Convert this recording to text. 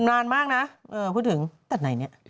นานมากนะพูดถึงแต่ไหนเนี่ย